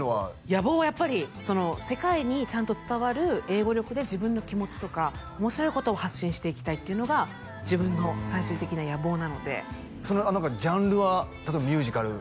野望はやっぱり世界にちゃんと伝わる英語力で自分の気持ちとか面白いことを発信していきたいっていうのが自分の最終的な野望なのでそのジャンルは例えばミュージカル？